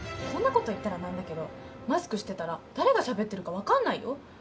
こんなこと言ったら何だけどマスクしてたら誰がしゃべってるか分かんないよ。